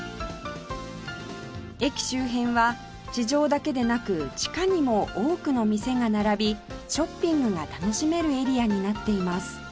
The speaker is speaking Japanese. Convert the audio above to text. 駅周辺は地上だけでなく地下にも多くの店が並びショッピングが楽しめるエリアになっています